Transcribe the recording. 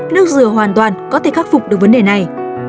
nước dừa hoàn toàn có thể khắc phục được vấn đề này